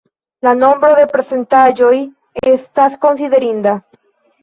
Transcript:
La nombro de prezentaĵoj estas konsiderinda.